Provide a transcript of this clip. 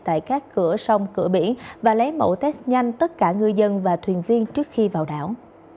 tại các cửa sông cửa biển và lấy mẫu test nhanh tất cả ngư dân và thuyền viên trước khi vào đảo